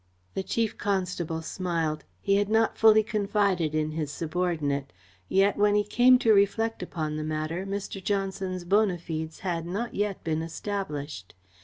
The Chief Constable smiled. He had not fully confided in his subordinate. Yet, when he came to reflect upon the matter, Mr. Johnson's bona fides had not yet been established.